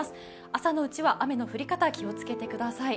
朝のうちは雨の降り方、気をつけてください。